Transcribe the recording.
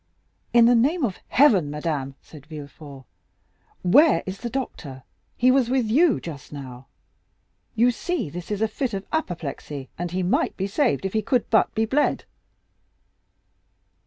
"In the name of heaven, madame," said Villefort, "where is the doctor? He was with you just now. You see this is a fit of apoplexy, and he might be saved if he could but be bled!"